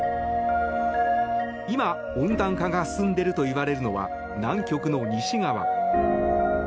今、温暖化が進んでいるといわれるのは、南極の西側。